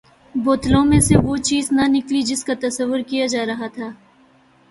بوتلوں میں سے وہ چیز نہ نکلی جس کا تصور کیا جا رہا تھا۔